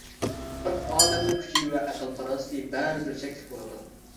بىر ئادەمنىڭ كۈچى ۋە ئەقىل پاراسىتى بەرىبىر چەكلىك بولىدۇ.